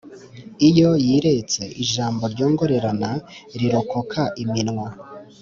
iyo yiretse ijambo ryongorerana rirokoka iminwa